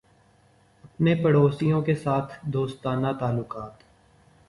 اپنے پڑوسیوں کے ساتھ دوستانہ تعلقات